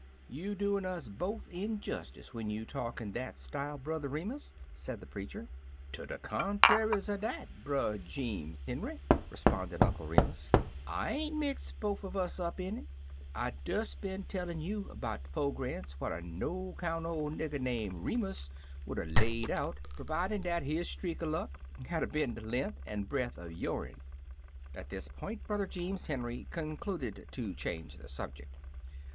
"You doin' us both injustice when you talk in that style. Brother Remus," said the preacher. "Ter de contraries er dat, Brpy J?ems i6i Uncle Remus Returns Henry/' responded Uncle Remus, "I ain't mix bofe un us up in it. I des bin tellin' you *bout de pogrance what er no 'count ole nigger name Remus would er laid out, per vidin' dat his streak er luck had er bin de lenk an' breadt' er yo'n." At this point, Brother Jeems Henry con cluded to change the subject.